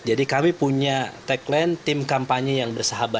jadi kami punya tagline tim kampanye yang bersahabat